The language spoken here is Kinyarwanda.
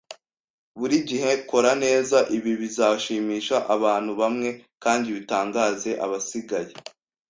Buri gihe kora neza. Ibi bizashimisha abantu bamwe kandi bitangaze abasigaye